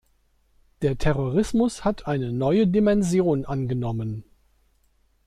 Der Terrorismus hat eine neue Dimension angenommen.